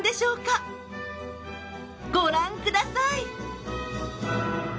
ご覧ください。